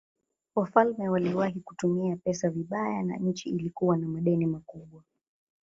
Wafalme waliwahi kutumia pesa vibaya na nchi ilikuwa na madeni makubwa.